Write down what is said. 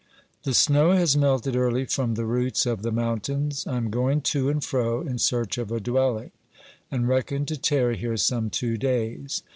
The snow has melted early from the roots of the moun tains. I am going to and fro in search of a dwelling, and reckon to tarry here some two days.